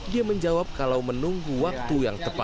dia menjawab kalau menunggu waktu yang tepat